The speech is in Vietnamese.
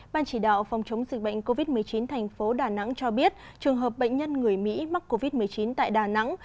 ban chỉ đạo phòng chống dịch bệnh covid một mươi chín thành phố đà nẵng cho biết trường hợp bệnh nhân người mỹ mắc covid một mươi chín tại đà nẵng